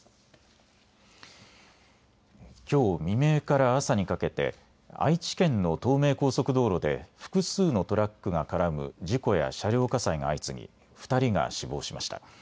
きょう未明から朝にかけて愛知県の東名高速道路で複数のトラックが絡む事故や車両火災が相次ぎ、２人が死亡しました。